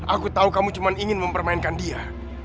aku tahu kamu cuma ingin mempermainkan dia